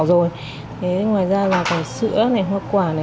để giúp đỡ các con nhỏ